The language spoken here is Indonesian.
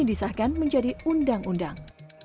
disahkan menjadi undang undang